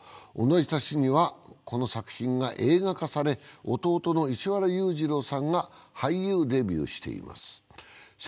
同じ年にはこの作品が映画化され、弟の石原裕次郎さんが俳優デビューしています。